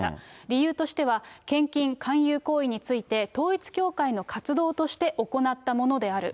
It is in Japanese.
理由としては、献金勧誘行為について、統一教会の活動として行ったものである。